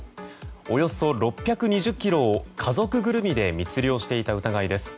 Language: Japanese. およそ６２０ｋｇを家族ぐるみで密漁していた疑いです。